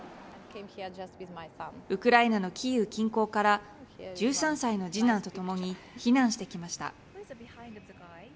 ウクライナのキーウ近郊から１３歳の次男と共に避難してきました。